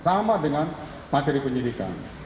sama dengan materi penyidikan